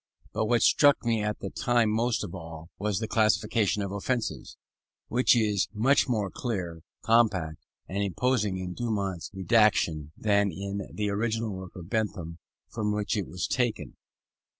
But what struck me at that time most of all, was the Classification of Offences, which is much more clear, compact, and imposing in Dumont's rédaction than in the original work of Bentham from which it was taken.